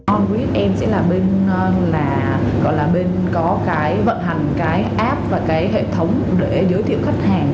on credit em sẽ là bên gọi là bên có cái vận hành cái app và cái hệ thống để giới thiệu khách hàng